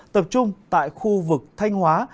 tập trung tại khu vực thanh hóa